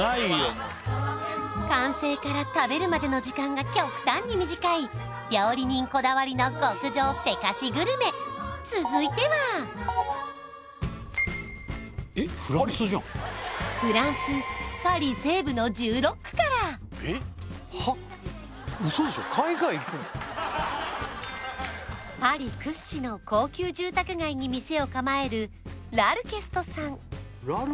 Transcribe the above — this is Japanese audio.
もう完成から食べるまでの時間が極端に短い料理人こだわりの極上せかしグルメ続いてはフランスパリ西部の１６区からウソでしょパリ屈指の高級住宅街に店を構えるラルケストさん